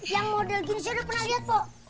yang model gini saya udah pernah lihat kok